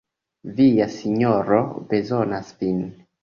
Via sinjoro bezonas vin!